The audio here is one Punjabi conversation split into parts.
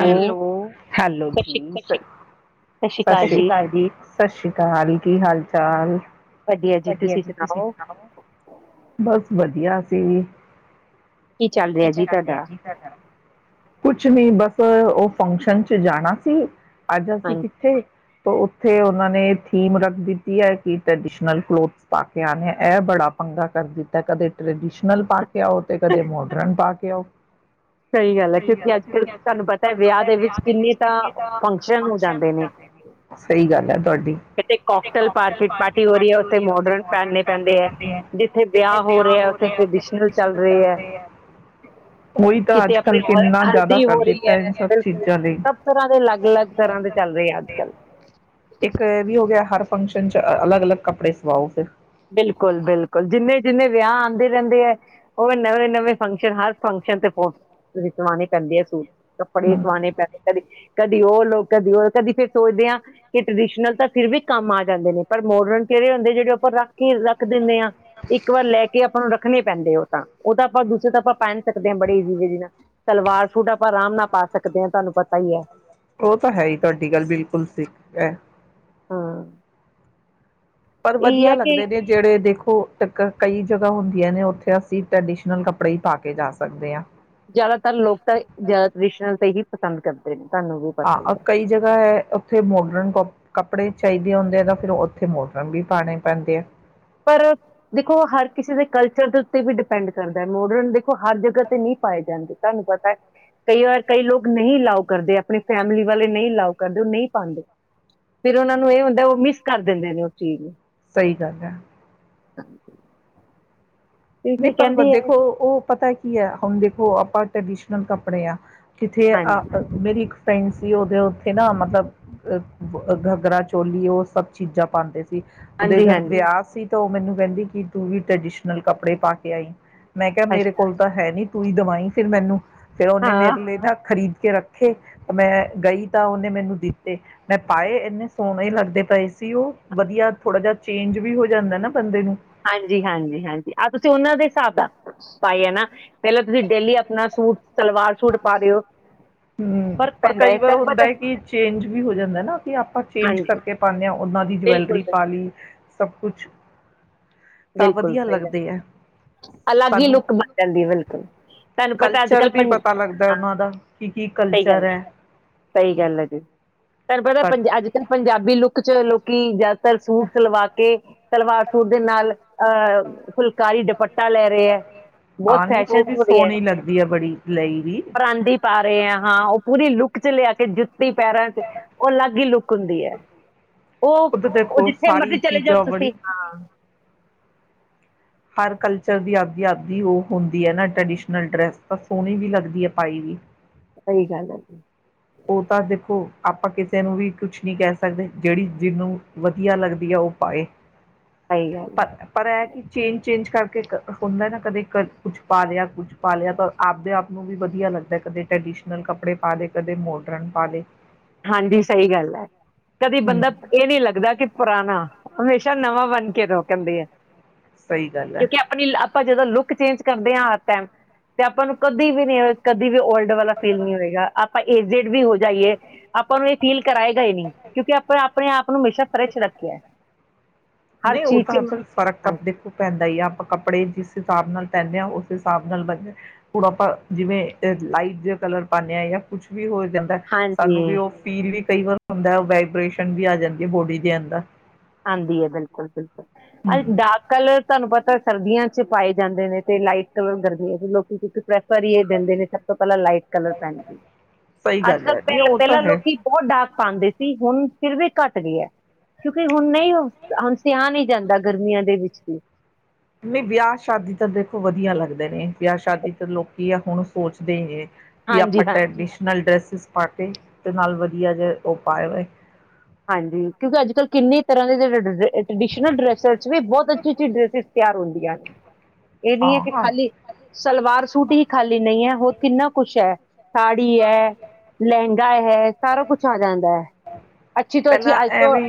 ਹੈਲੋ, ਹੈਲੋ, ਸਤਿ ਸ਼੍ਰੀ ਜੀ ਸਤਿ ਸ਼੍ਰੀ ਅਕਾਲ ਜੀ, ਸਤਿ ਸ਼੍ਰੀ ਅਕਾਲਾਲ, ਕੀ ਹਾਲਜੀ। ਚਾਲ ਵਧੀਆ ਜੀ, ਤੁਸੀ ਸੁਣਾਉ, ਬਸ ਵਧੀਆ। [unintelligible] ਕੀ ਚੱਲ ਰਿਹਾ ਕੀਛ ਕਰਦੇ ਆ ਤੁਹਾਡਾ? ਜੀ ਕੁ ਨਹੀਂ ਬਸ ਉਹ ਫੰਕਸ਼ਨ ਚ ਜਾਣਾ ਸੀ ਅੱਜ ਅਸੀਂ ਹਾਂਜੀ। ਕਿੱਥੇ ਉੱਥੇ ਉਹਨਾਂ ਨੇ ਥੀਮ ਰੱਖ ਦਿੱਤੀ ਹੈ ਕਿ ਟਰੈਡੀਸ਼ਨਲ ਕਲੋਥਸ ਪਾ ਕੇ ਆਉਣੇ ਇਹ ਬੜਾ ਪੰਗਾ ਕਰ ਦਿੱਤਾ ਕਦੇ ਟਰੈਡੀਸ਼ਨਲ ਪਾ ਕੇ ਉਹ ਤੇ ਕਦੇ ਮੋਡਰਨ ਪਾ ਕੇ ਸਓ ਸਹੀ ਗੱਲ ਹੈ ਕਿਉਂਕਿ ਅੱਜ ਕੱਲ੍ਹ ਤੁਹਾਨੂੰ ਪਤਾ ਤੁਹੂੰ ਪਤਾ ਵਿਆਹ ਦੇ ਵਿੱਚ ਕਿੰਨੇ ਫਕ ਜਾਂਦੇ ਸਹੀ ਗ ਕਿਤੇ ਕਿੱਥੇ ਕੋਕਟੇਲ ਕਾਕਟੇਲ ਹੈ ਪਾਰਟੀ ਹੋ ਉੱਥੇ ਰਹੀ ਮੋਡਰਨ ਪਹਿਨਣੇ ਪੈਂਦੇ ਹੈ, ਜਿੱਥੇ ਕਿੱਥੇ ਵਿਆਹ ਰਿਹਾ ਹੈ, ਹੋ ਉੱਥੇ ਰਹੇ ਟ੍ਰਡੀਸ਼ਨਲ ਚੱਲ ਰਹੀ ਹੈ। ਨੇ ਉਹੀ ਯ ਅੱਜ ਕਿਤੇ ਆਪਣੀ ਕਲ ਹਲ- ਕਿਤਨਾ ਜ਼ਾਦਾ ਹਲਦੀ ਹੋ ਰਹੀ ਬਿਲਕੁਲ ਸਭ ਤਰ੍ਹਾਂ ਦੇ ਅਲੱਗ ਅਲੱਗ ਤਰ੍ਹਾਂ ਦੇ ਚੱਲ ਰਹੇ ਆ ਅੱਜ ਕੱਲ ਇੱਕ ਇਹ ਵੀ ਹੋ ਗਿਆ ਹਰ ਫੰਕਸ਼ਨ ਚ ਅਲੱਗ ਅਲੱ ਕੱਪੜੇ ਸਵਾਓ ਫਿਰ ਬਿਲਕੁਲ ਬਿਲਕੁਲ ਜਿੰਨੇ ਜਿੰਨੇ ਵਿਆਹ ਆਉਂਦੇ ਨੇ ਰਦੇ ਹੈ ਉਹ ਨਵੇਂ ਨਵੇਂ ਫੰਕਸ਼ਨ ਹਰ ਫੰਕਸ਼ਨ ਤੇ ਪਵਾਣੇ ਪੈਂਦੇ ਹੈ ਸੂਟ ਕੱਪੜੇ ਹਾਂ। ਸਵਾਣੇ ਪੈਣੇ ਕਦੇ ਕਦੀ ਉਹ ਲੋਕ ਕਦੀ ਉਹ ਕਦੀ ਫਿਰ ਸੋਚਦੇ ਹਾਂ ਕਿ ਟਰਡੀਸ਼ਨਲ ਤਾਂ ਫਿਰ ਵੀ ਕੰਮ ਆ ਜਾਂਦੇ ਨੇ ਪਰ ਮੋਡਰਨ ਕਿਹੜੇ ਹੁੰਦੇ ਜਿਹੜੇ ਉ ਆਪਾਂੱਖ ਕੀ ਰੱਖ ਦਿੰਦੇ ਆਾਂ ਇੱਕ ਵਾਰ ਲੈ ਕੇ ਆਪਾਂ ਨੂੰ ਰੱਖ ਰੱਖਣੇ ਪੈਂਦੇ ਉਹ ਤਾਂ ਉਹ ਤਾਂ ਆਪਾਂ ਦੂਸੇ ਤਾਂ ਆਪਾਂ ਪਹਿਨ ਸਕਦੇ ਹਾਂ ਬੜੇ ਈਜ਼ੀ ਵੀ ਨਾਲ ਸਲਵਾਰ ਸੂਟ ਆਪਾਂ ਆਰਾਮ ਨਾਲ ਪਾ ਸਕਦੇ ਹਾਂ ਤੁਹਾਨੂੰ ਪਤਾ ਹੀ ਹੈ ਉਹ ਤਾਂ ਹੈ ਹੀ ਤੁਹਾਡੀ ਗੱਲ ਬਿਲਕੁਲ ਸਿੱਖ ਹੈ ਹਾਂ ਪਰ ਇਹ ਹੈ ਵਧੀਆ ਕਿ ਲੱਗਦੇ ਨੇ ਜਿਹੜੇ ਦੇਖੋ ਕਈ ਜਗ੍ਹਾ ਹੁੰਦੀਆਂ ਨੇ ਉੱਥੇ ਅਸੀਂ ਟ੍ਰੈਡੀਸ਼ਨਲ ਕੱਪੜੇ ਹੀ ਪਾ ਕੇ ਜਾ ਸਕਦੇ ਹਾਂ ਜ਼ਿਆਦਾਤਰ ਲੋਕ ਤਾਂ ਜ਼ਿਆਦਾ ਟ੍ਰਡੀਸ਼ਨਲ ਤੇ ਹੀ ਪਸੰਦ ਕਰੱਦੇ ਨੇ ਤੁਹਾਨੂੰ ਵੀ ਪਤਾ ਹੀ ਹੈ ਹਾਂ ਕਈ ਜਗ੍ਹਾ ਹੈ ਉੱਥੇ ਮੋਡਰਨ ਕੱਪੜੇ ਚਾਹੀਦੇ ਹੁੰਦੇ ਆ ਤਾਂ ਫਿਰ ਉੱਥੇ ਮੌਡਰਨ ਵੀ ਪਾਉਣੇ ਪੈਂਦੇ ਆ ਪਰ ਦੇਖੋ ਹਰ ਕਿਸੇ ਦੇ ਕਲਚਰ ਦੇ ਉੱਤੇ ਵੀ ਡਿਪੈਂਡ ਕਰਦਾ ਮੋਡਰਨ ਦੇਖੋ ਹਰ ਜਗ੍ਹਾ ਤੇ ਨਹੀਂ ਪਾਏ ਜਾਂਦੇ ਤੁਹਾਨੂੰ ਪਤਾ ਕਈ ਵਾਰ ਕਈ ਲੋਕ ਨਹੀਂ ਅਲਾਓ ਕਰਦੇ ਆਪਣੀ ਫੈਮਲੀ ਵਾਲੇ ਨਹੀਂ ਅਲਾਓ ਕਰਦੇ ਉਹ ਨਹੀਂ ਪਾਉਂਦੇ ਫਿਰ ਉਹਨਾਂ ਨੂੰ ਇਹ ਹੁੰਦਾ ਉਹ ਮਿਸ ਕਰ ਦਿੰਦੇ ਨੇ ਉਹ ਚੀਜ਼ ਨੂੰ ਸਹੀ ਗੱਲ ਹੈ ਅ ਨਹੀਂ ਪਰ ਦੇਖੋ ਉਹ ਪਤਾ ਕੀ ਹੈ ਹੁਣ ਦੇਖੋ ਆਪਾਂ ਟ੍ਰਡੀਸ਼ਨਲ ਕੱਪੜੇ ਆ ਕਿੱਥੇ ਆ ਹਾਂਜੀ ਮੇਰੀ ਇੱਕ ਸੀ ਉਹਦੇ ਉੱਥੇ ਨਾ ਮਤਲਬ ਘਗਰਾ ਚੋਲੀ ਉਹ ਸਭ ਚੀਜ਼ਾਂ ਪਾਉਂਦੇ ਸੀ ਉਹਦੇ ਹਾਂਜੀ ਘਰ ਹਾਂਜੀ ਵਿਆਹ ਸੀ ਉਹ ਮੈਨੂੰ ਕਹਿੰਦੀ ਕਿ ਤੂੰ ਵੀ ਟ੍ਰੈਡੀਸ਼ਨਲ ਕਪ ਕੱਪੜੇ ਪਾ ਕੇ ਆਈ। ਮੈਂ ਕਿਹਾ ਮੇਰੇ ਅੱਛਾ ਕੋਲ ਤਾਂ ਹੈ ਨੀ ਤੂੰ ਹੀ ਦਵਾਈ ਫਿਰ ਮੈਨੂੰ ਫਿਰ ਉਹਨੇ ਹਾਂ ਮੇਰੇ ਲਈ ਨਾ ਖ਼ਰੀਦ ਕੇ ਰੱਖੇ ਮੈਂ ਗਈ ਤਾਂ ਉਹਨੇ ਮੈਨੂੰ ਦਿੱਤੇ। ਮੈਂ ਪਾਏ ਇੰਨੇ ਸੋਹਣੇ ਲੱਗੇ ਕਰਦੇ ਪਏ ਸੀ ਉਹ ਵਧੀਆ ਥੋੜਾ ਜਿਹਾ ਚੇਂਜ ਵੀ ਹੋ ਜਾਂਦਾ ਨਾ ਬੰਦੇ ਨੂੰ ਹਾਂਜੀ ਹਾਂਜੀ ਹਾਂਜੀ ਆਹ ਤੁਂ ਤੇ ਉਹਨਾਂ ਦੇ ਹਿਸਾਬ ਦਾ ਭਾਈ ਹੈ ਨਾ ਪਹਿਲਾਂ ਤੁਸੀਂ ਡੇਲੀ ਆਪਣਾ ਸੂਟ ਸਲਵਾਰ ਸੂਟ ਪਾ ਰਹੇ ਹੋ ਹਮ, ਫ਼ਰਕ ਪਰ ਪੈਂਦਾ ਹੈ ਕਈ ਵਾਰ ਤੁਹਾਨੂੰ ਹੁੰਦਾ ਪਤਾ ਹੈ ਕਿ ਚੇਂਜ ਵੀ ਹੋ ਜਾਂਦਾ ਨਾ ਕਿ ਆਪਾਂ ਚੇਂਜ ਹਾਂਜੀ ਕਰਕੇ ਪਾਨੇ ਆ ਉਹਨਾਂ ਦੀ ਬਿਲਕੁਲ ਜਵੈਲਰੀ ਪਾ ਸਹੀ- ਲੀ ਸਭ ਕੁਛ। ਤਾਂ ਬਿਲਕੁਲ ਵਧੀਆ ਸਹੀ ਲੱਗਦੇ ਐ। ਗੱਲ ਅਲੱਗ ਹੀ ਸਾਨੂੰ ਲੁੱਕ ਬਣ ਜਾਂਦੀ ਵਿ ਕਲਚਰ ਵੀ ਪਤਾ ਲੱਗਦਾ ਹਾਂ ਉਹਨਾਂ ਦਾ ਕੀ ਕੀ ਸਹੀ ਕਲਚਰ ਗੱਲ ਹੈ। ਸਹੀ ਗੱਲ ਹੈ ਜੀ। ਤੈਨੂੰ ਪਤਾ ਪੰਜ ਅੱਜ ਕੱਲ੍ਹ ਪੰਜਾਬੀ ਲੁੱਕ ਚ ਲੋਕੀ ਜਾ ਸੂਟ ਸਲਵਾ ਕੇ ਸਲਵਾਰ ਸੂਟ ਦੇ ਨਾਲ ਅਹ ਫੁਲਕਾਰੀ ਦੁਪੱ ਤਾਂ ਲੈ ਰਹੇ ਹੈ ਬਹੁਤ ਹਾਂ ਨਹੀਂ ਉਹ ਫੈਸ਼ਨ ਵੀ ਹੋ ਰਿਹਾ ਹੈ ਸੋਹਣੀ ਲੱਗਦੀ ਐ ਬੜੀ ਲਈ ਵੀ। ਪਰਾਂਦੀ ਪਾ ਰਹੇ ਹੈ ਹਾਂ ਉਹ ਪੂਰੀ ਲੁੱਕ ਚ ਲਿਆ ਕੇ ਜੁ ਤੀ ਪੈਰਾਂ ਚ ਉਹ ਅਲੱਗ ਹੀ ਲੁੱਕ ਹੁੰਦੀ ਹੈ ਉਹ ਖੁਦ ਉਹ ਦੇਖੋ ਜਿੱਥੇ ਸਾਰੀ ਮਰਜ਼ੀ ਚਲੇ ਜਾਓ ਚੀਜ਼ਾਂ ਤੁਸੀਂ ਬੜੀ ਹਾਂ। ਹਰ ਕਲਚਰ ਦੀ ਆਪਦੀ ਆਪਦੀ ਉਹ ਹੁੰਦੀ ਹੈ ਨਾ ਟਰਡੀਸ਼ਨਲ ਡਰੈਸ ਤਾਂ ਸੋਹਣੀ ਵੀ ਲੱਗਦੀ ਹੈ ਪਾਈ ਵੀ। ਸਹੀ ਗੱਲ ਹੈ। ਉਹ ਤਾਂ ਦੇਖੋ ਆਪਾਂ ਕਿਸੇ ਨੂੰ ਵੀ ਕੁਛ ਨਹੀਂ ਕਹਿ ਸਕਦੇ ਜਿਹੜੀ ਜਿਹਨੂੰ ਵਧੀਆ ਲੱਗਦੀ ਹੈ ਊਹ ਪਾਏ। ਸਹੀ ਗੱਲ ਹੈ। ਪਰ ਪਰ ਇਹ ਕਿ ਚੇਨ ਚੇਂਜ ਕਰਕੇ ਕ ਹੁੰਦਾ ਨਾ ਕਦੇ ਕ ਕੁਛ ਪਾ ਲਿਆ ਕੁਝ ਪਾ ਲਿਆ ਤਾਂ ਆਪਦੇ ਆਪ ਨੂੰ ਵੀ ਵਧੀਆ ਲੱਗਦਾ ਕਦੇ ਟਰੈਡੀਸ਼ਨਲ ਕੱਪੜੇ ਪਾ ਦੇ ਕਦੇ ਮੋਡਰਨ ਪਾ ਲੇ। ਹਾਂਜੀ ਸਹੀ ਗੱਲ ਹੈ। ਕਦੀ ਹੂੰ ਬੰਦਾ ਇਹ ਨਹੀਂ ਲੱਗਦਾ ਕਿ ਪੁਰਾਣਾ ਹਮੇਸ਼ਾ ਨਵਾਂ ਬਣ ਕੇ ਰੋਕਨ ਦੀ ਹੈ। ਸਹੀ ਗੱਲ ਹੈ। ਕਿਉਂਕਿ ਆਪਣੀ ਆਪਾਂ ਜਦੋਂ ਲੁੱਕ ਚੇਂਜ ਕਰਦੇ ਹਾਂ ਹਰ ਟਾਈਮ ਤੇ ਆਪਾਂ ਨੂੰ ਕਦੀ ਵੀ ਨਹੀਂ ਕਦੀ ਵੀ ਓਲਡ ਵਾਲਾ ਫੀਲ ਨਹੀਂ ਹੋਏਗਾ ਆਪਾਂ ਇਹ ਜੇ ਵੀ ਹੋ ਜਾਈਏ ਆਪਾਂ ਨੂੰ ਇਹ ਫੀਲ ਕਰਾਏਗਾ ਹੀ ਨਹੀਂ, ਕਿਉਂਕਿ ਆਪਾਂ ਆਪਣੇ ਆਪ ਨੂੰ ਹਮੇਸ਼ਾ ਫਰੈਸ਼ ਰੱਖਿਆ ਹਰ ਨਹੀਂ ਉਹ ਚੀਜ਼ ਚ ਤਾਂ ਫਿਰ ਫ਼ਰਕ ਤਾਂ ਹਾਂ- ਦੇਖੋ ਪੈਂਦਾ ਹੀ ਆ ਆਪਾਂ ਕੱਪੜੇ ਜਿਸ ਹਿਸਾਬ ਨਾਲ ਪੈਂਦੇ ਹਾਂ ਉਸ ਹਿਸਾਬ ਨਾਲ ਬੰਦੇ ਹੁਣ ਆਪਾਂ ਜਿਵੇਂ ਲਾਈਟ ਜਿ ਕਲਰ ਪਾਉਂਦੇ ਹਾਂ ਜਾਂ ਕੁਛ ਵੀ ਹੋਰ ਦੇਂਦਾ ਹਾਂਜੀ ਸਾਨੂੰ ਵੀ ਉਹ ਫੀਲ ਵੀ ਕਈ ਵਾਰ ਹੁੰਦਾ ਵਾਈਬ੍ਰੇਸ਼ਨ ਵੀ ਆ ਜਾਂਦੀ ਹੈ ਬੋਡੀ ਦੇ ਅੰਦਰ ਆਂਦੀ ਹੈ ਬਿਲਕੁਲ ਬਿਲਕੁਲ ਅੱ ਹਮ ਡਾਰਕ ਕਲਰ ਤੁਹਾਨੂੰ ਪਤਾ ਸਰਦੀਆਂ ਚ ਪਾਏ ਜਾਂਦੇ ਨੇ ਤੇ ਲਾਈਟ ਕਲਰ ਗਰਮੀਆਂ ਵਿਚ ਲੋਕੀਂ ਉੱਠ ਬੈਠ ਇਹ ਦਿੰਦੇ ਨੇ ਸਭ ਤੋਂ ਪਹਿਲਾਂ ਲਾਈਟ ਕਲਰ ਪਹਿਨਦੇ ਸਹੀ ਅੱਜ ਗੱਲ ਕੱਲ੍ਹ ਹੈ ਨਹੀਂ ਪਹਿ ਉਹ ਤਾਂ ਪਹਿਲਾਂ ਹੈ ਲੋਕੀ ਬਹੁਤ ਡਾਰਕ ਪਾਉਂਦੇ ਸੀ ਹੁਣ ਫਿਰ ਵੀ ਘੱਟ ਗਏ ਹੈ ਕਿਉਂਕਿ ਹੁਣ ਨਹੀਂ, ਹੁਣ ਸਿਹਾ ਨਹੀਂ ਜਾਂਦਾ ਗਰਮੀਆਂ ਦੇ ਵਿੱਚ ਵੀ ਨਹੀਂ ਵਿਆਹ ਸ਼ਾਦੀ ਤਾਂ ਦੇਖੋ ਵਧੀਆ ਲੱਗਦੇ ਨੇ ਵਿਆਹ ਸ਼ਾਦੀ ਤਾਂ ਲੋਕੀਂ ਆ ਹੁਣ ਸੋਚਦੇ ਹੀ ਨੇ ਵੀ ਆਪਾਂ ਹਾਂਜੀ ਹਾਂ ਟਰੈਡੀਸ਼ਨਲ ਡਰੈਸਿਸ ਪਾ ਕੇ ਤੇ ਨਾਲ ਵਧੀਆ ਜਿਹਾ ਉਹ ਪਾਏ ਵੇ ਹਾਂਜੀ ਕਿਉਂਕਿ ਅੱਜ ਕੱਲ੍ਹ ਕਿੰਨੇ ਤਰ੍ਹਾਂ ਦੇ ਜਿਹੜੇ ਟਰੈਡੀਸ਼ਨਲ ਡਰੈਸਿਸ ਚ ਬਹੁਤ ਅੱਛੀ ਅੱਛੀ ਡਰੈਸਿਸ ਤਿਆਰ ਹੁੰਦੀਆਂ ਨੇ ਇਹ ਨਹੀਂ ਹਾਂ ਹੈ ਕਿ ਹਾਂ ਖਾਲੀ ਸਲਵਾਰ ਸੂਟ ਹੀ ਖਾਲੀ ਨਹੀਂ ਹੈ, ਹੋਰ ਕਿੰਨਾ ਕੁਛ ਹੈ ਸਾੜੀ ਹੈ, ਲਹਿੰਗਾ ਹੈ ਸਾਰਾ ਕੁਛ ਆ ਜਾਂਦਾ ਹੈ ਅੱਛੀ ਤੋਂ ਅੱਛੀ ਪਹਿਲਾਂ ਅੱਜ ਤੋਂ, ਐਵੇਂ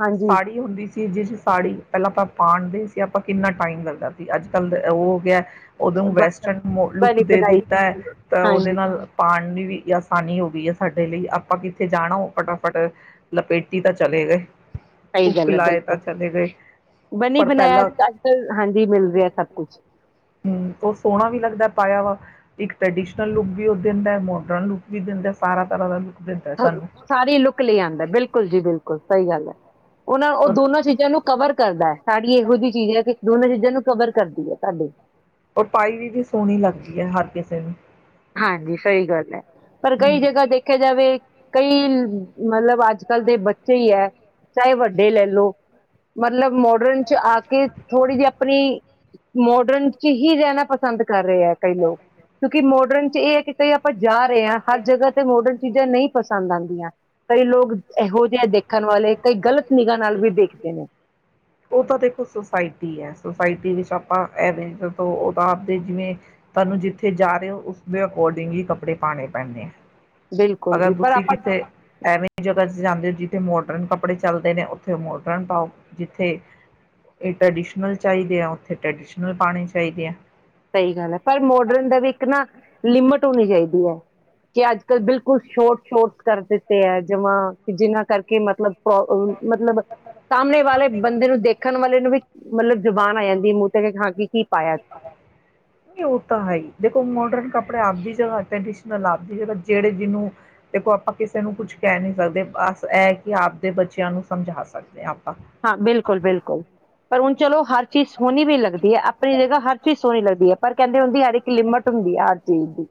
ਹਾਂਜੀ ਸਾੜੀ ਹੁੰਦੀ ਸੀ ਜਿਸ ਸਾੜੀ ਪਹਿਲਾਂ ਆਪਾਂ ਪਾਣਦੇ ਸੀ ਆਪਾਂ ਕਿੰਨਾ ਟਾਈਮ ਲੱਗਦਾ ਸੀ ਅੱਜ ਕੱਲ ਉਹ ਹੋ ਗਿਆ ਉਹਨੂੰ ਬਸ ਵੈਸਟਰਨ ਲੁੱਕ ਬਣੀ ਦੇ ਬਣਾਈ ਦਿੱਤਾ ਹੈ, ਤਾਂ ਉਹਦੇ ਹਾਂਜੀ ਨਾਲ ਪਾਉਣ ਦੀ ਵੀ ਆਸਾਨੀ ਹੋ ਗਈ ਹੈ ਸਾਡੇ ਲਈ, ਆਪਾਂ ਕਿੱਥੇ ਜਾਣਾ ਉਹ ਫਟਾਫਟ ਲਪੇਟੀ ਤਾਂ ਚਲੇ ਗਏ ਸਹੀ ਹੁੱਕ ਗੱਲ ਹੈ ਲਾਏ ਬਿਲਕੁਲ ਤਾਂ ਚਲੇ ਗਏ, ਬਣੀ ਪਰ ਬਣਾਇਆ ਪਹਿਲਾਂ ਅੱਜ ਕੱਲ ਹਾਂਜੀ ਮਿਲ ਰਿਹਾ ਸਭ ਕੁਛ ਹਮ ਉਹ ਸੋਹਣਾ ਵੀ ਲੱਗਦਾ ਪਾਇਆ ਵਾ ਇੱਕ ਟਰੈਡੀਸ਼ਨਲ ਲੁੱਕ ਵੀ ਉਹ ਦਿੰਦਾ ਮੋਡਰਨ ਲੁੱਕ ਵੀ ਦਿੰਦਾ ਸਾਰਾ ਤਰ੍ਹਾਂ ਦਾ ਲੁਕ ਸਾਰੀ ਲੁੱਕ ਲੈ ਆਉਂਦਾ ਬਿਲਕੁਲ ਜੀ ਬਿਲਕੁਲ ਸਹੀ ਗੱਲ ਹੈ ਉਹਨਾਂ ਉਹ ਦੋਨਾਂ ਚੀਜ਼ਾਂ ਨੂੰ ਕਵਰ ਕਰਦਾ ਹੈ, ਸਾੜੀ ਇਹੋ ਜਿਹੀ ਚੀਜ਼ ਹੈ ਕਿ ਦੋਨੇ ਚੀਜ਼ਾਂ ਨੂੰ ਕਵਰ ਕਰਦੀ ਹੈ ਤੁਹਾਡੇ ਔਰ ਪਾਈ ਵੀ ਵੀ ਸੋਹਣੀ ਲੱਗਦੀ ਹੈ ਹਰ ਕਿਸੇ ਨੂੰ ਹਾਂਜੀ ਸਹੀ ਗੱਲ ਹੈ ਪਰ ਕਈ ਹਮ। ਜਗ੍ਹਾ ਦੇਖਿਆ ਜਾਵੇ ਕਈ, ਮਤਲਬ ਅੱਜ ਕੱਲ ਦੇ ਬੱਚੇ ਈ ਐ, ਚਾਹੇ ਵੱਡੇ ਲੈ ਲਓ। ਮਤਲਬ ਮੋਡਰਨ ਚ ਆ ਕੇ, ਥੋੜ੍ਹੀ ਜੀ ਆਪਣੀ ਮੋਡਰਨ ਚ ਹੀ ਰੈਣਾ ਪਸੰਦ ਕਰ ਰਏ ਆ ਕਈ ਲੋਕ, ਕਿਉਂਕਿ ਮੋ ਡਰਨ ਚ ਏ ਐ ਕਿ ਕਈ ਆਪਾਂ ਜਾ ਰਏਂ ਆਂ, ਹਰ ਜਗ੍ਹਾ ਤੇ ਮੋਡਰਨ ਚੀਜਾਂ ਨਈ ਪਸੰਦ ਕਈ ਲੋਗ ਨਾਲ ਵੀ ਦੇਖਦੇ ਨੇ [unintelligible] ਏ ਤਾਂ ਦੇਖੋ ਸੋਸਾਇਟੀ ਐ ਸੋਸਾਇ ਆਪਾਂ ਐਵੇ ਉਹ ਤਾਂ ਆਪਦੇ ਜਿਵੇਂ, ਤੋਨੂੰ ਜਿੱਥੇ ਜਾ ਰਏ ਹੋ ਉਸਦੇ ਅਕੋਡਿੰਗ ਈ ਕੱਪੜੇ ਪਾਣੇ ਪੈਂਦੇ ਬਿਲਕੁਲ ਅਗਰ ਵੀ ਪਰ ਤੁਸੀਂ ਆਪਾਂ ਕਿਤੇ, ਐਵੇਂ ਜਗ੍ਹਾ ਚ ਜਾਂਦੇ ਜਿਥੇ ਮੋਡਰਨ ਕੱਪੜੇ ਚੱਲਦੇ ਨੇ ਓੱਥੇ ਮੋਡਰਨ ਪਾਓ ਜਿੱਥੇ, ਏ ਟ੍ਰੈਡੀਸ਼ਨਲ ਚੱਲਦੇ ਆ ਓਥੇ ਟ੍ਰਡੀਸ਼ਨਲ ਪਾਣੇ ਚਾਈਦੇ ਐ। ਲਿਮਿਟ ਹੋਣੀ ਚਾਈਦੀ ਐ, ਕੇ ਅੱਜ ਕੱਲ੍ਹ ਬਿਲਕੁਲ ਸ਼ੋਟ ਸ਼ੋਟ ਕਰ ਦਿੱਤੇ ਐ ਜਮਾਂ, ਕਿ ਜਿਨਾਂ ਕਰਕੇ ਮਤਲਬ ਮਤਲਬ, ਸਾਮਣੇ ਵਾਲੇ ਬੰਦੇ ਨੂੰ ਦੇਖਣ ਵਾਲੇ ਨੂੰ ਵੀ ਮਤਲਬ ਜੁਬਾਨ ਆ ਜਾਂਦੀ ਮੂੰ ਤੇ ਖਾ ਕੇ ਕੀ ਪਾਇਕ ਨਈਂ ਓ ਤਾਂ ਹੈ ਈ ਦੇਖੋ ਮੋਡਰਨ ਕੱਪੜੇ ਆਪਦੀ ਜਗ੍ਹਾ ਟਡੀਸ਼ਨਲ ਆਪਦੀ ਜਗ੍ਹ ਜੇਹੜੇ ਜਿਨੂੰ, ਦੇਖੋ ਆਪਾਂ ਕਿਸੇ ਨੂੰ ਕੁਛ ਕੈ ਨੀ ਸਕਦੇ ਬਸ ਐ ਕਿ ਆਪਦੇ ਬੱਚਿਆਂ ਨੂੰ ਸਮਝ੍ਹਾ ਸਕਦੇ ਹਾਂ, ਬਿਲਕੁਲ ਬਿਲਕੁਲ, ਪਰ ਚਲੋ ਹਰ ਚੀਸ਼ ਸੋਣੀ ਵੀ ਲੱਗਦੀ ਏ, ਆਪਣੇ ਜਗ੍ਹਾ ਹਰ ਚੀਜ਼ ਸੋਹਣੀ ਲੱਗਦੀ ਏ, ਪਰ ਕਹਿੰਦੇ ਹੁੰਦੀ ਯਾਰ ਇੱਕ ਲਿਮਟ ਹੁੰਦੀ ਏ ਹਰ ਚੀਜ਼ ਦੀ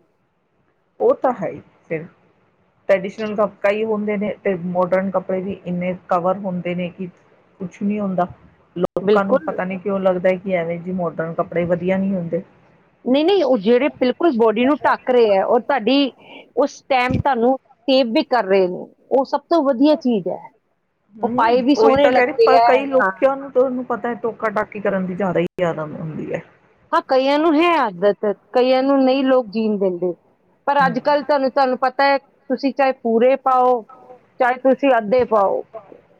ਉਹ ਤਾਂ ਹੈ ਹੀ ਫਿਰ, ਟ੍ਰੈਡੀਸ਼ਨਲ ਕ ਕਈ ਹੁੰਦੇ ਨੇ, ਤੇ ਮੋਡਰਨ ਕੱਪੜੇ ਵੀ ਇੰਨੇ ਕਵਰ ਹੁੰਦੇਣ ਨੇ ਕਿ ਕੁਛ ਨਹੀਂ ਹੁੰਦਾ। ਲੋਕਾਂ ਨੂੰ ਬਿਲਕੁਲ ਪਤਾ ਨੀ ਕਿਉਂ ਲੱਗਦੈ ਐਵੇਂ ਜੀ ਮੋਡਰਨ ਕੱਪੜੇ ਵਧੀਆ ਨਿ ਹੁੰਦੇ ਨਹੀਂ ਨਹੀਂ ਓਹ ਜਿਹੜੇ ਬਿਲਕੁਲ ਬੋਡੀ ਨੂੰ ਢੱਕ ਰਹੇ ਹੈ ਓ ਤੁਹਾਡੀ ਉਸ ਟੈਮ ਤੋਨੂੰ ਸੇਵ ਵੀ ਕਰ ਰਹੇ ਨੇ ਓ ਸਭ ਸਭ ਤੋਂ ਵਧੀਆ ਚੀਜ਼ ਹੈ। ਓ ਪਾਏ ਹਮ ਵੀ ਉਹੀ ਸੋਹਣੇ ਤਾਂ ਕਹਿ ਰਹੀ ਲੱਗਦੇ ਪਰ ਹੈ। ਕਈ ਹਾਂ ਲੋਕਾਂ ਨੂੰ ਤੁਹਾਨੂੰ ਪਤਾ ਹੈ ਟੋਕਾ ਟਾਕੀ ਕਰਨ ਦੀ ਜ਼ਿਆਦਾ ਹੀ ਆਦਤ ਹੁੰਦੀ ਹੈ। ਹਾਂ ਕਈ ਨੂੰ ਹੈ ਆਦਾਤ। ਕਈਆਂ ਨੂੰ ਨਹੀਂ ਲੋਕ ਜੀਣ ਦਿੰਦੇ, ਪਰ ਹਮ ਅੱਜ ਕੱਲ ਤੁਹਾਨੂੰ ਤੁਹਾਨੂੰ ਪਤਾ ਹੈ ਤੁਸੀਂ ਚਾਹੇ ਪੂਰੇ ਪਾਓ ਚਾਹੇ ਤੁਸੀਂ ਅੱਧੇ ਆਪ ਪਾਓ ਬਾਹਰ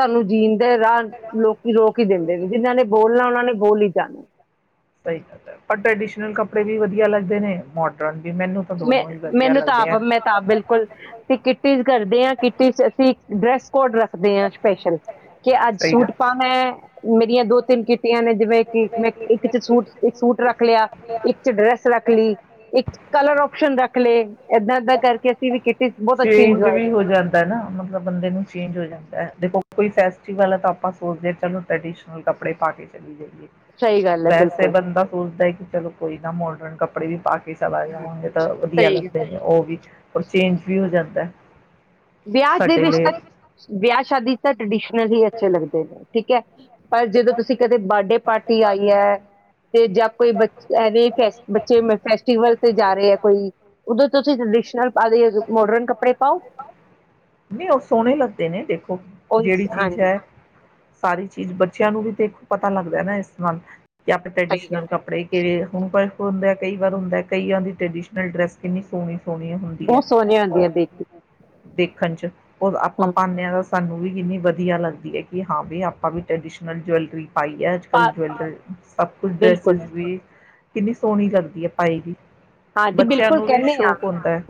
ਸਾਨੂੰ ਜੀਨ ਰਾਹ ਲੋਕੀ ਰੋਕ ਹੀ ਦਿੰਦੇ ਨੇ ਜਿਹਨਾਂ ਨੇ ਬੋਲਣਾ ਉਹਨਾਂ ਨੇ ਬੋਲ ਹੀ ਜਾਣਾ ਸਹੀ ਗੱਲ ਏ। ਪਰ ਟ੍ਰੈਡੀਸ਼ਨਲ ਕੱਪੜੇ ਵੀ ਵਧੀਆ ਲੱਗਦੇ ਨੇ ਮੋਡਰਨ ਵੀ ਮੈਨੂੰ ਤਾਂ ਮੈਂ ਦੋਨੋਂ ਹੀ ਵਧੀਆ ਮੈਨੂੰ ਤਾਂ ਲੱਗਦੇ ਆਪ ਹੈ। ਮੈਂ ਤਾਂ ਬਿਲਕੁਲ ਅਸੀਂ ਕਿੱਟੀਜ਼ ਕਰਦੇ ਹਾਂ ਕਿੱਟੀ ਅਸੀਂ ਡਰੈੱਸ ਕੋਡ ਰੱਖਦੇ ਹਾਂ ਸਪੈਸ਼ਲ ਕਿ ਅੱਜ ਸਹੀ ਗੱਲ। ਸੂਟ ਪਾਣਾ ਮੇਰੀਆਂ ਦੋ ਤਿੰਨ ਕੀਤੀਆਂ ਨੇ ਜਿਵੇਂ ਕਿ ਮੈਂ ਇੱਕ ਚ ਸੂਟ ਇੱਕ ਸੂਟ ਰੱਖ ਲਿਆ ਇੱਕ ਚ ਡਰੈਸ ਰੱਖ ਲਈ ਇੱਕ ਕਲਰ ਓਪਸ਼ਨ ਰੱਖ ਲਏ ਏਦਾਂ ਏਦਾਂ ਕਰਕੇ ਅਸੀਂ ਵੀ ਕੀਤੀ ਬਹੁਤ ਅੱਛੀ ਚੇਂਜ ਇੰਜੋਏ ਮੈਂ ਵੀ ਹੋ ਕਰਕੇ ਜਾਂਦਾ ਨਾ ਮਤਲਬ ਬੰਦੇ ਨੂੰ ਚੇਂਜ ਹੋ ਜਾਂਦਾ ਹੈ ਦੇਖੋ ਕੋਈ ਫੈਸਟੀਵਲ ਹੈ ਤਾਂ ਆਪਾਂ ਸੋਚਦੇ ਹਾਂ ਚਲੋ ਟੈਡੀਸ਼ ਹੁਣ ਕੱਪੜੇ ਪਾ ਕੇ ਚਲੀਏ ਸਹੀ ਗੱਲ ਹੈ ਵੈਸੇ ਬਿਲਕੁਲ ਬੰਦਾ ਸੋਚਦਾ ਹੈ ਕਿ ਚਲੋ ਕੋਈ ਨਾ ਮੋਡਰਨ ਕੱਪ ਪੜੇ ਵੀ ਪਾ ਸਵਾਏ ਹੋਣਗੇ ਤਾਂ ਵਧੀਆ ਸਹੀ ਲੱਗਦੇ ਨੇ ਉਹ ਵੀ ਔਰ ਚੇਂਜ ਵੀ ਹੋ ਜਾਂਦਾ ਵਿਆਹ ਦੇ ਸਾਡੇ ਵਿੱਚ ਲਈ ਤਾਂ, ਵਿਆਹ ਸ਼ਾਦੀ ਤਾਂ ਟਰਡੀਸ਼ਨਲ ਹੀ ਅੱਛੇ ਲੱਗਦੇ ਨੇ ਠੀਕ ਹੈ ਪਰ ਜਦੋਂ ਤੁਸੀਂ ਕਦੇ ਬਰਡੇ ਪਾਰਟੀ ਆਈ ਹੈ, ਤੇ ਜਾਂ ਕੋਈ ਬੱਚੇ ਫੈਸਟ ਬੱਚੇ ਫੈਸਟੀਵਲ ਤੇ ਜਾ ਰਹੇ ਹੈ ਕੋਈ ਉਦੋਂ ਤੁਸੀਂ [inaudible] ਆਗਈ ਏ ਦੋ ਮੋਡਰਨ ਕੱਪੜੇ ਪਾਓ ਨਹੀਂ ਉਹ ਸੋਹਣੇ ਲੱਗਦੇ ਨੇ ਦੇਖੋ ਉਹੀ ਜਿਹੜੀ ਚੀਜ਼ ਹਾਂਜੀ ਹੈ ਸਾਰੀ ਚੀਜ਼ ਬ ਬੱਚਿਆਂ ਨੂੰ ਵੀ ਦੇਖੋ ਪਤਾ ਲੱਗਦਾ ਨਾ ਇਸ ਨਾਲ ਜਾਂ ਆਪਣੇ ਸਹੀ ਗੱਲ ਟਰੈਡੀਸ਼ਨਲ ਕੱਪੜੇ ਕੇੜੇ ਹੁਣ ਪਰ ਹੁੰਦਾ ਕਈ ਵਾਰ ਹੁੰਦਾ ਕਈਵਾਰ ਟਰਡੀਸ਼ਨਲ ਡਰੈਸ ਕਿੰਨੀ ਸੋਹਣੀ ਸੋਹਣੀ ਹੁੰਦੀ ਹੈ ਬਹੁਤ ਸੋਹਣੀਆਂ ਹੁੰਦੀਆਂ ਦੇਖ ਦੇਖਣ ਚ, ਉਹ ਆਪਾਂ ਕੇ ਪਾਦੇਂਆਂ ਦਾ ਸਾਨੂੰ ਵੀ ਇੰਨੀ ਵਧੀਆ ਲੱਗਦੀ ਹੈ ਕਿ ਹਾਂ ਵੀ ਆਪਾਂ ਵੀ ਟਰਡੀਸ਼ਨਲ ਜਵੈਲਰੀ ਪਾਈਏ ਅਜ ਪਾ ਕੱਲ ਜਵੈਲਰ ਸਭ ਕੁਛ ਡਰੈਸਿਸ ਬਿਲਕੁਲ ਵੀ ਕਿੰਨੀ ਸੋਹਣੀ ਲਗਦੀ ਹੈ ਪਾਈ ਵੀ ਹਾਂਜੀ ਬੱਚਿਆਂ ਬਿਲਕੁਲ ਨੂੰ ਕਹਿੰਦੇ ਹਾਂ ਸ਼ੌਕ ਹੁੰਦਾ ਹੈ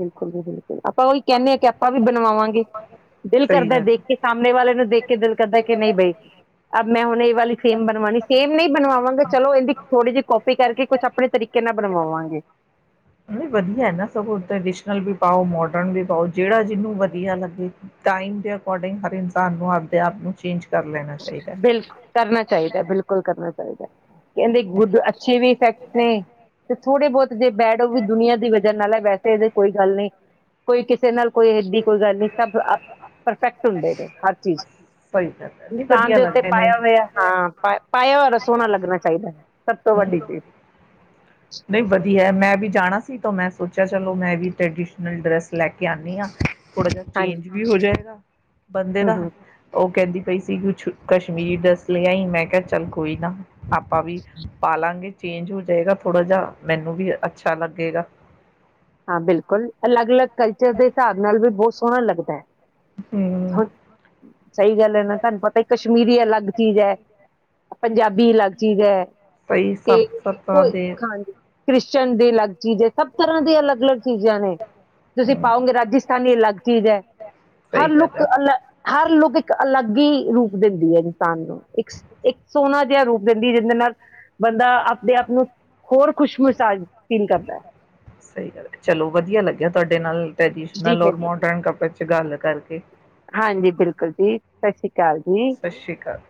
ਬਿਲਕੁਲ-ਬਿਲਕੁਲ ਆਪਾਂ ਉਹੀ ਕਹਿੰਦੇ ਹਾਂ ਕਿ ਆਪਾਂ ਵੀ ਬਣਵਾਵਾਂਗੇ ਦਿਲ ਸਹੀ ਕਰਦਾ ਗੱਲ ਦੇਖ ਕੇ ਸਾਹਮਣੇ ਵਾਲੇ ਨੂੰ ਦੇਖ ਕੇ ਦਿਲ ਕਰਦਾ ਕਿ ਨਹੀਂ ਬਈ, ਅਬ ਮੈਂ ਹੁਣੇ ਵਾਲੀ ਸੇਮ ਬਣਵਾਣੀ ਸੇਮ ਨਹੀਂ ਬਣਵਾਵਾਂਗੇ ਚਲੋ ਇਹਦੀ ਥੋੜੀ ਜਿਹੀ ਕੋਪੀ ਕਰਕੇ ਕੁਛ ਆਪਣੇ ਤਰੀਕੇ ਨਾਲ ਬਣਵਾਵਾਂਗੇ ਵਧੀਆ ਨਾ ਸਗ ਕਰ ਟਰੈਡੀਸ਼ਨਲ ਵੀ ਪਾਓ ਮੋਡਰਨ ਵੀ ਪਾਓ ਜਿਹੜਾ ਜਿਹਨੂੰ ਵਧੀਆ ਲੱਗੇ ਟਾਈਮ ਦੇ ਅਕੋਰਡਿੰਗ ਹਰ ਇਨਸਾਨ ਨੂੰ ਆਪਦੇ ਆਪ ਨੂੰ ਚੇਂਜ ਕਰ ਲੈਣਾ ਚਾਹੀਦਾ ਬਿਲਕੁਲ ਕਰਨਾ ਚਾਹੀਦਾ ਬਿਲਕੁਲ ਕਰਨਾ ਚਾਹੀਦਾ ਕਹਿੰਦੇ ਗੁੱਡ ਅੱਛੇ ਵੀ ਇਫੈਕਟਸ ਨੇ ਤੇ ਥੋੜੇ ਬਹੁਤ ਜੇ ਬੈਡ ਉਹ ਵੀ ਦੁਨੀਆਂ ਦੀ ਵਜ੍ਹਾ ਨਾਲ ਐ, ਵੈਸੇ ਇਹਦੇ ਚ ਕੋਈ ਗੱਲ ਨਈਂ, ਕੋਈ ਕਿਸੇ ਨਾਲ ਕੋਈ ਇਡੀ ਕੋਈ ਗੱਲ ਨਹੀਂ, ਕਰਦਾ ਸਭ ਆਪ ਪਰਫੈਕਟ ਹੁੰਦੇ ਨੇ ਹਰ ਚੀਜ਼ ਸਹੀ ਗੱਲ ਚ ਹੈ ਨਹੀਂ ਇਨਸਾਨ ਵਧੀਆ ਦੇ ਉੱਤੇ ਲੱਗਦੇ ਨੇ ਪਾਇਆ ਹੋਇਆ, ਹਾਂ ਪਾਇਆ ਹੋਇਆ ਰ ਸੋਹਣਾ ਲੱਗਣਾ ਚਾਹੀਦਾ ਐ ਸਭ ਤੋਂ ਵੱਡੀ ਚੀਜ਼ ਹੂੰ ਨਹੀਂ ਵਧੀਆ ਮੈਂ ਵੀ ਜਾਣਾ ਸੀ ਤਾਂ ਮੈਂ ਸੋਚਿਆ ਚਲੋ ਮੈਂ ਵੀ ਟ੍ਰੈਡੀਸ਼ਨਲ ਡਰੈਸ ਲੈ ਕੇ ਆਣੀ ਆਂ। ਥੋੜਾ ਜਿਆ ਹਾਂਜੀ ਚੇਂਜ ਵੀ ਹੋ ਜਾਏਗਾ ਬੰਦੇ ਹੂੰ ਦਾ, ਹੂੰ ਔ ਕੈੰਦੀ ਪਈ ਸੀ ਕੁਛ ਕਸ਼ਮੀਰੀ ਡਰੈੱਸ ਲੇ ਆਈ, ਮੈਂ ਕਿਆ ਚੱਲ ਕੋਈ ਨਾ। ਆਪਾਂ ਵੀ ਪਾਲਾਂਗੇ। ਚੇਂਜ ਹੋ ਜਾਏਗਾ ਥੋ ਥੋੜਾ ਜਿਆ ਮੈਨੂੰ ਵੀ ਅੱਛਾ ਲੱਗੇਗਾ। ਹਾਂ, ਬਿਲਕੁਲ ਅਲੱਗ-ਅਲੱਗ ਕਲਚਰ ਦੇ ਸਾਬ ਨਾਲ ਵੀ ਬੌਤ ਸੋ ਸੋਣਾ ਲੱਗਦੈ। ਹਾਂ, ਹਮ ਸਹੀ ਗੱਲ ਐ ਨਾ ਤਾਨੂੰ ਪਤਾ ਈ ਕਸ਼ ਕਸ਼ਮੀਰੀ ਅਲੱਗ ਚੀਜ਼ ਐ, ਪੰਜਾਬੀ ਅਲੱਗ ਚੀਜ਼ ਐ। ਸਹੀ ਸਤ ਸਤਾ ਦੇ ਕ੍ਰਿਸ਼ਚਨ ਦੇ ਲੱਗ ਚੀਜ਼ ਏ, ਸਭ ਤਰ੍ਹਾਂ ਦੀ ਅਲੱਗ-ਅਲੱਗ ਚੀਜ਼ਾਂ ਨੇ। ਤੁਸੀਂ ਹਮ ਪਾਓਗੇ ਰਾਜਸਥਾਨੀ ਲੱਗ ਚੀਜ਼ ਐ। ਹਰ ਸਹੀ ਗੱਲ ਲੁਕ ਹੈ ਅਲ ਹਰ ਲੁਕ ਇਕ ਅਲੱਗ ਈ ਰੂਪ ਦਿੰਦੀ ਏ ਇਨਸਾਨ ਨੂੰ। ਇੱਕ ਸੀ ਇੱਕ ਸੋਣਾ ਜਿਆ ਰੂਪ ਦਿੰਦੀ ਐ, ਜਿੰਦੇ ਨਾਲ ਬੰਦਾ ਆਪਦੇ ਆਪ ਨੂੰ ਹੋਰ ਖੁਸ਼ ਮਸਾਜ ਸਹੀ ਗੱਲ ਐ, ਚਲੋ ਵਧੀਆ ਲੱਗਿਆ ਤਾਡੇ ਨਾਲ ਜੀ ਟ੍ਰੈਡੀਸ਼ਨਲ ਔਰ ਮੈਨੂੰ ਮੋਡਰਨ ਕੱਪੜੇ ਚ ਗੱਲ ਕਰਕੇ। ਹਾਂਜੀ, ਬਿਲਕੁਲ ਜੀ ਸਤ ਸ੍ਰੀ ਕਾਲ ਜੀ। ਸਤਿ ਸ਼੍ਰੀ ਅਕਾਲ